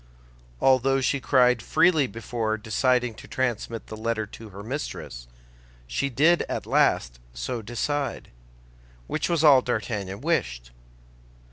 Although she cried freely before deciding to transmit the letter to her mistress, she did at last so decide, which was all D'Artagnan wished.